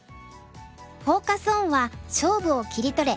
フォーカス・オンは「勝負を切り撮れ！